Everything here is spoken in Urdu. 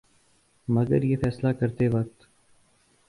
مگر یہ فیصلہ کرتے وقت